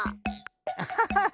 アハハハ！